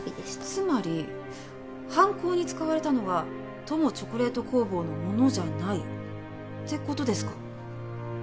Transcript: つまり犯行に使われたのはＴＯＭＯチョコレート工房のものじゃないって事ですか？